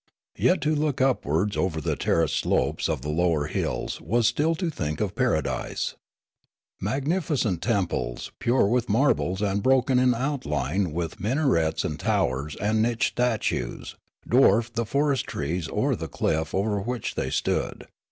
Yet to look upwards over the terraced slopes of the lower hills was still to think of paradise. Magnificent temples, pure with marbles and broken in outline with minarets and towers and niched statues, dwarfed the forest trees or the cliflF over which they stood.